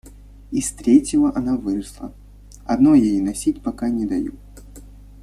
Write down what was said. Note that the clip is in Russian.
Из третьего она выросла, одно я ей носить пока не даю.